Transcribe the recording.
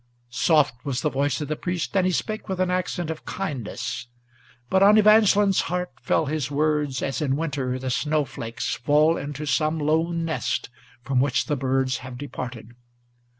Soft was the voice of the priest, and he spake with an accent of kindness; But on Evangeline's heart fell his words as in winter the snow flakes Fall into some lone nest from which the birds have departed.